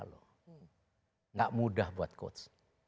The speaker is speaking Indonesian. tidak mudah buat coach